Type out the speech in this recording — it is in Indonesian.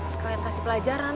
sekalian kasih pelajaran